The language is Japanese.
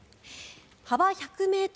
幅１００ｍ